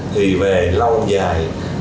thì về lâu dài